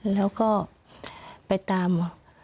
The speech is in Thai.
แล้วก็ไปตาม